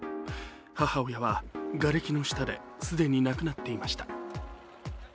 母親は、がれきの下で既に亡くなっていました。